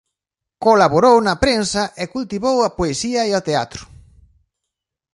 Colaborou na prensa e cultivou a poesía e o teatro.